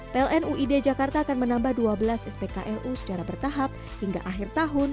pln uid jakarta akan menambah dua belas spklu secara bertahap hingga akhir tahun dua ribu dua puluh tiga